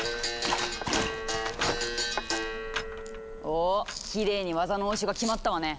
おきれいに技の応酬が決まったわね！